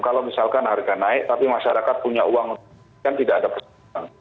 kalau misalkan harga naik tapi masyarakat punya uang kan tidak ada persoalan